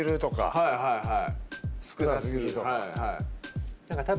はいはいはい。